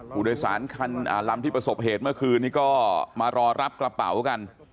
ผู้โดยสารคันลำที่ประสบเหตุเมื่อคืนนี้ก็มารอรับกระเป๋ากัน